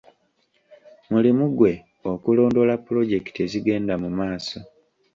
Mulimu gwe okulondoola pulojekiti ezigenda mu maaso.